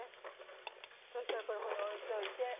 そしたらこれをここに置いておいて。